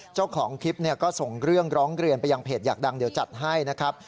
เจ้าของคลิปก็ส่งเรื่องร้องเรียนไปยังเพจอยากดังเดี๋ยวจัดให้นะครับ